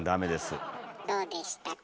どうでしたか？